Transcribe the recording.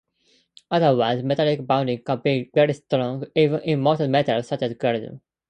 Otherwise, metallic bonding can be very strong, even in molten metals, such as Gallium.